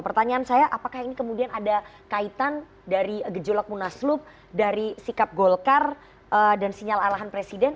pertanyaan saya apakah ini kemudian ada kaitan dari gejolak munaslup dari sikap golkar dan sinyal arahan presiden